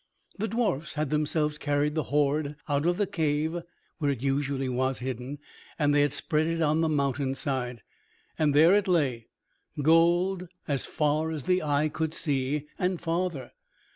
The dwarfs had themselves carried the hoard out of the cave where usually it was hidden, and they had spread it on the mountain side. There it lay, gold as far as the eye could see, and farther.